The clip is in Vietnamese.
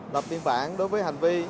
lập biên bản đối với hành vi